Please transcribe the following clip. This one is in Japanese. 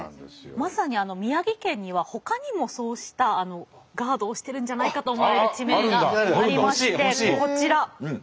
まさに宮城県にはほかにもそうしたガードをしてるんじゃないかと思われる地名がありましてこちら。